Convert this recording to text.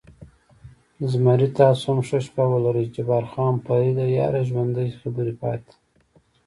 زمري: تاسې هم ښه شپه ولرئ، جبار خان: فرېډه، یار ژوندی، خبرې پاتې.